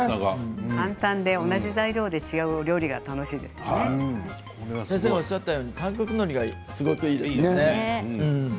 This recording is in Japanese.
簡単で全く違うお料理が先生がおっしゃったように韓国のりがいいですね。